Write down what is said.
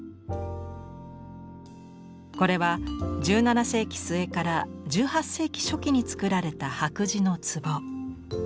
これは１７世紀末から１８世紀初期に作られた白磁の壺。